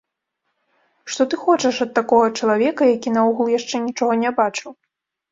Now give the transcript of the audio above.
Што ты хочаш ад такога чалавека, які наогул яшчэ нічога не бачыў.